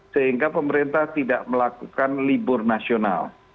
sehingga pemerintah tidak melakukan libur nasional